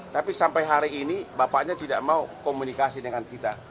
tapi sampai hari ini bapaknya tidak mau komunikasi dengan kita